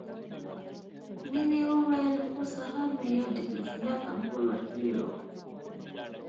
مينې وويل هو سهار مې يو ډيکلوفينک امپول ورکړى و.